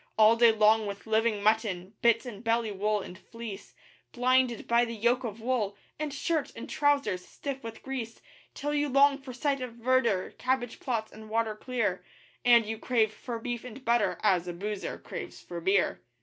All day long with living mutton bits and belly wool and fleece; Blinded by the yoke of wool, and shirt and trousers stiff with grease, Till you long for sight of verdure, cabbage plots and water clear, And you crave for beef and butter as a boozer craves for beer.